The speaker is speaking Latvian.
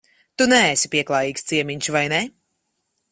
Tu neesi pieklājīgs ciemiņš, vai ne?